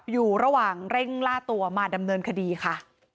อยู่ระหว่างเร่งล่าตัวมาดำเนินคดีค่ะ